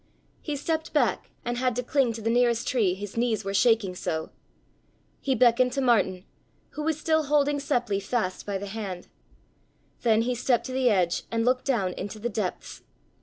He stepped back and had to cling to the nearest tree, his knees were shaking so. He beckoned to Martin, who was still holding Seppli fast by the hand. Then he stepped to the edge and looked down into the depths.